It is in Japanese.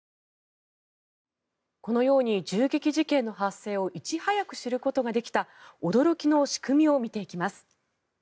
このように銃撃事件の発生をいち早く知ることができた驚きの仕組みを見ていきます。